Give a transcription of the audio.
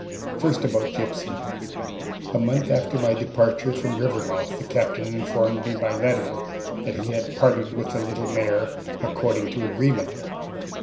First about Gypsy. A month after my departure from Rivermouth the Captain informed me by letter that he had parted with the little mare, according to agreement.